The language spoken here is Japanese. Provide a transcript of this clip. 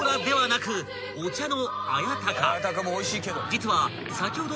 ［実は］